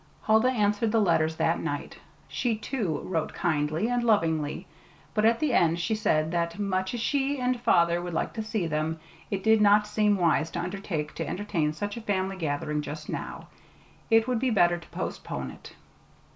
Huldah answered the letters that night. She, too, wrote kindly and lovingly; but at the end she said that much as she and father would like to see them, it did not seem wise to undertake to entertain such a family gathering just now. It would be better to postpone it.